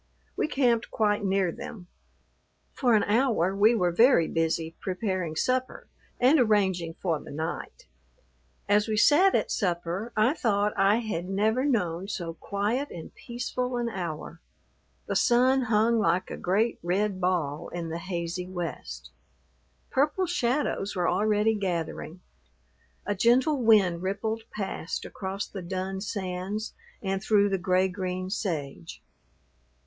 We camped quite near them. For an hour we were very busy preparing supper and arranging for the night. As we sat at supper I thought I had never known so quiet and peaceful an hour. The sun hung like a great, red ball in the hazy west. Purple shadows were already gathering. A gentle wind rippled past across the dun sands and through the gray green sage.